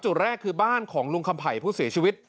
จุดแรกคือบ้านของลุงคำไผ่ผู้เสียชีวิต